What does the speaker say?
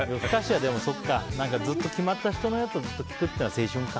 ずっと決まった人のやつを聴くのが青春か。